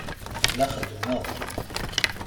La xeddemeɣ.